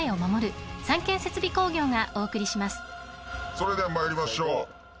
それでは参りましょう。